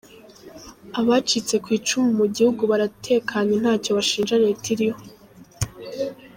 Abacitse ku icumu mu gihugu baratekanye ntacyo bashinja Leta iriho.